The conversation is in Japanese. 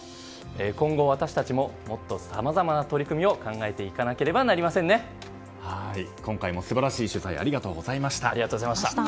今後、私たちももっとさまざまな取り組みを今回も素晴らしい取材ありがとうございました。